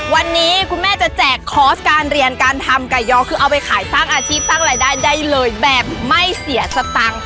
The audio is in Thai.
วันนี้คุณแม่จะแจกคอร์สการเรียนการทำไก่ยอคือเอาไปขายสร้างอาชีพสร้างรายได้ได้เลยแบบไม่เสียสตังค์